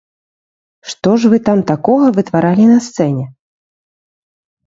Што ж вы там такога вытваралі на сцэне?